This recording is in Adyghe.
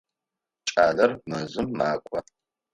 Кӏалэр мэзым макӏо.